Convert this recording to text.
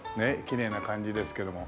きれいな感じですけども。